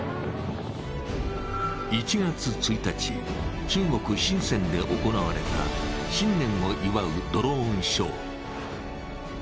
１月１日、中国・深センで行われた新年を祝うドローンショー。